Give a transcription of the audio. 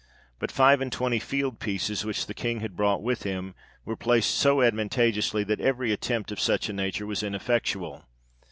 But five and twenty field pieces, which the King had brought with him, were placed so advantageously, that every attempt of such a nature was ineffectual.